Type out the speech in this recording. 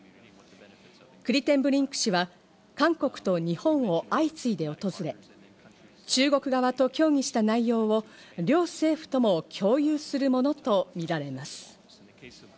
クリテンブリンク氏は韓国と日本を相次いで訪れ、中国側と協議した内容を両政府とも共有するものとみられます。